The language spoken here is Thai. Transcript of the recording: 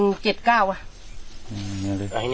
๗นี้แหละอันนี้ก็เหมือนเป็น๗๙